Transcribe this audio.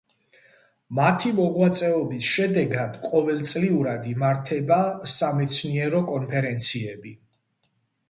მათი მოღვაწეობის შედეგად ყოველწლიურად იმართება სამეცნიერო კონფერენციები.